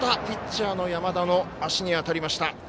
ピッチャーの山田の足に当たりました。